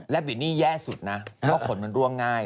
และบินี่แย่สุดนะเพราะขนมันร่วงง่าย